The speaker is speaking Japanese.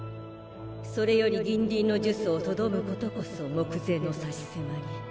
それより銀鱗の呪詛を止むことこそ目前の差し迫り。